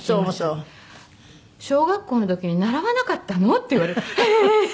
「小学校の時に習わなかったの？」って言われて「ええー！」。